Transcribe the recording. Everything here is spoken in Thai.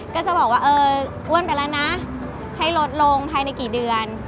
ก็จะบอกว่าเอออ้วนไปแล้วนะให้ลดลงภายในกี่เดือน